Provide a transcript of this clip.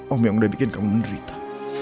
om yang udah bikin kamu menderita